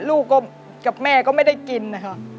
กับแม่ก็ไม่ได้กินนะคะ